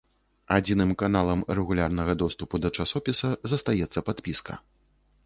Адзіным каналам рэгулярнага доступу да часопіса застаецца падпіска.